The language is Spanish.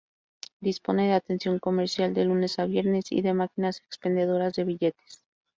Dispone de atención comercial de lunes a viernes y de máquinas expendedoras de billetes.